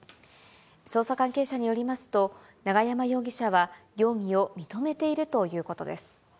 捜査関係者によりますと、永山容疑者は容疑を認めているということです。